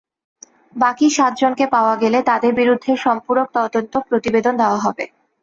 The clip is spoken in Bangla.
বাকি সাতজনকে পাওয়া গেলে তাদের বিরুদ্ধে সম্পূরক তদন্ত প্রতিবেদন দেওয়া হবে।